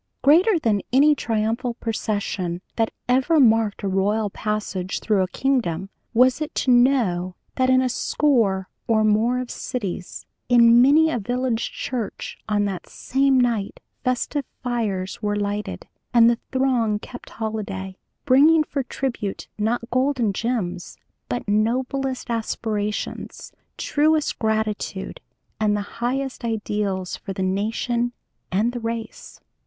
Greater than any triumphal procession that ever marked a royal passage through a kingdom was it to know that in a score or more of cities, in many a village church on that same night festive fires were lighted, and the throng kept holiday, bringing for tribute not gold and gems but noblest aspirations, truest gratitude, and highest ideals for the nation and the race.